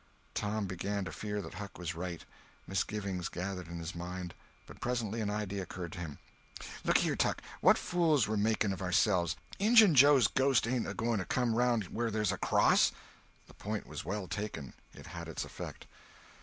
Tom began to fear that Huck was right. Mis givings gathered in his mind. But presently an idea occurred to him— "Lookyhere, Huck, what fools we're making of ourselves! Injun Joe's ghost ain't a going to come around where there's a cross!" The point was well taken. It had its effect.